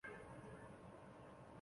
不会生活，你就没有人生